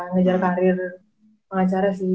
ngejar karir pengacara sih